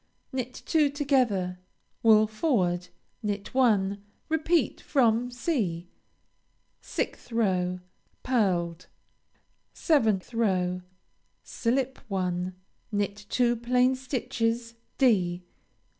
Knit two together. Wool forward. Knit one. Repeat from (c.) 6th row Pearled. 7th row Slip one. Knit two plain stitches (_d.